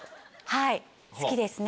はい好きですね。